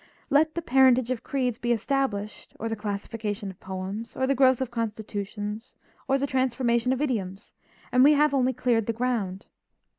Let the parentage of creeds be established, or the classification of poems, or the growth of constitutions, or the transformations of idioms, and we have only cleared the ground.